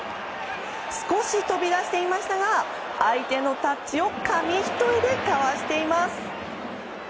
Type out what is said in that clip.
少し飛び出していましたが相手のタッチを紙一重でかわしています。